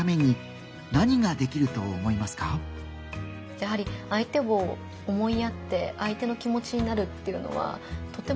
やはり相手を思いやって相手の気持ちになるっていうのは。